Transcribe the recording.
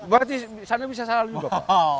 berarti sana bisa salah juga pak